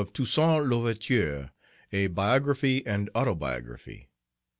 TOUSSAINT L'OUVERTURE: A BIOGRAPHY AND AUTOBIOGRAPHY.